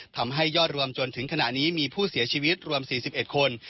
ทำให้ยอดรวมจนถึงขณะนี้มีผู้เสียชีวิตรวม๔๑คน